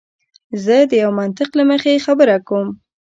زه د یوه منطق له مخې خبره کوم.